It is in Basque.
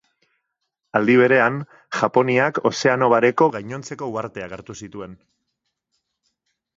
Aldi berean, Japoniak Ozeano Bareko gainontzeko uharteak hartu zituen.